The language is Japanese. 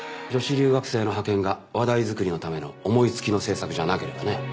女子留学生の派遣が話題作りのための思いつきの政策じゃなければね。